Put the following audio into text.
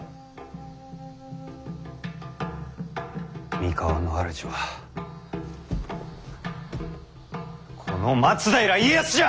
三河の主はこの松平家康じゃ！